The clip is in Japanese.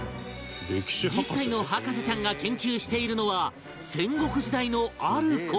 １０歳の博士ちゃんが研究しているのは戦国時代のある事